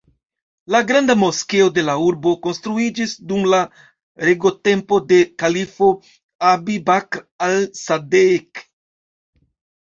La granda moskeo de la urbo konstruiĝis dum la regotempo de kalifo "Abi-Bakr Al-Sadeek".